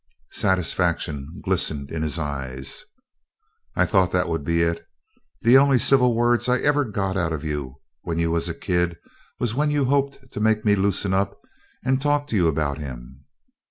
Satisfaction glistened in his eyes. "I thought that would be it! The only civil words I ever got out of you when you was a kid was when you hoped to make me loosen up and talk to you about him."